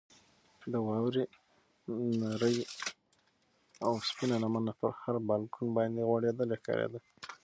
د واورې نرۍ او سپینه لمنه پر هر بالکن باندې غوړېدلې ښکارېده.